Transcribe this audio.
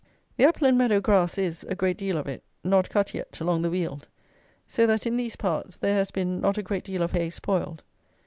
The upland meadow grass is, a great deal of it, not cut yet along the Weald. So that in these parts there has been not a great deal of hay spoiled.